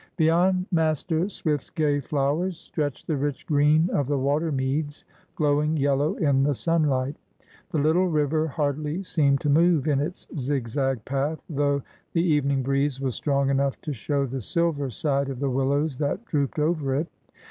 Beyond Master Swift's gay flowers stretched the rich green of the water meads, glowing yellow in the sunlight. The little river hardly seemed to move in its zig zag path, though the evening breeze was strong enough to show the silver side of the willows that drooped over it.